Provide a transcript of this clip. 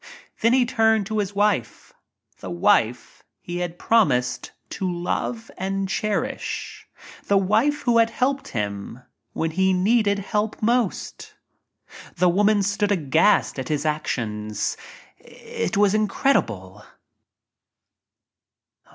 Then he turned to his wife— *■ the wife he had promised to love and cherish — the wife who had helped him when he needed help most. The woman stood aghast at his actions. Tt was in credible